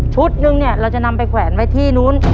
นึงเนี่ยเราจะนำไปแขวนไว้ที่นู้น